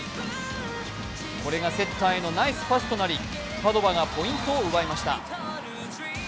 これがセッターへのナイスパスとなり、パドヴァがポイントを奪いました。